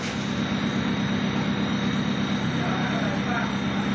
ให้มาเลยพี่